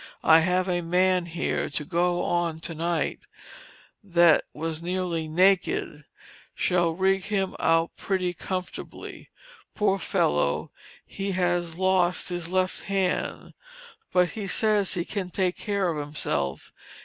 I have a man here, to go on to night, that was nearly naked; shall rig him out pretty comfortably. Poor fellow, he has lost his left hand, but he says he can take care of himself.